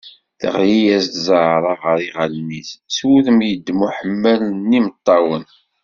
Teɣli-as-d Zahra gar yiɣallen-is s wudem yeddem uḥemmal n yimeṭṭawen.